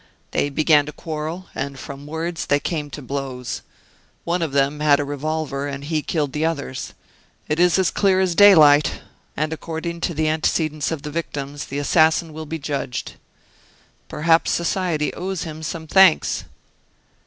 They began to quarrel; and from words they came to blows. One of them had a revolver, and he killed the others. It is as clear as daylight. According to his antecedents, and according to the antecedents of the victims, the assassin will be judged. Perhaps society owes him some thanks."